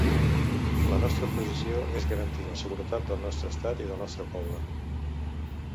La nostra posició és garantir la seguretat del nostre estat i del nostre poble.